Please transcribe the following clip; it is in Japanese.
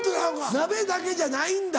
鍋だけじゃないんだ。